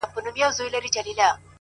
• گلي نن بيا راته راياده سولې ـ